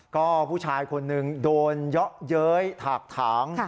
ก็ผู้ชายคนหนึ่งโดนเยาะเย้ยถากถาง